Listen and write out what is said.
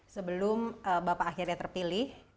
sebelum bapak akhirnya terpilih